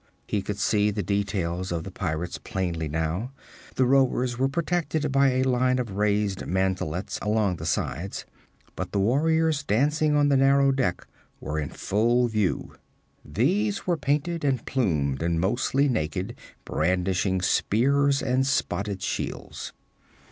He could see the details of the pirate plainly now. The rowers were protected by a line of raised mantelets along the sides, but the warriors dancing on the narrow deck were in full view. These were painted and plumed, and mostly naked, brandishing spears and spotted shields.